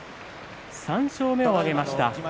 ３勝目を挙げました。